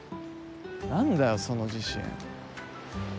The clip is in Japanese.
何だよその自信。